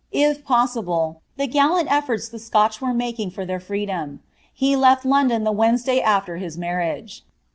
113 possible, the gallant efibrts the Scotch were making for ibeir fireedom. lie left London the Wednesday after his marriage.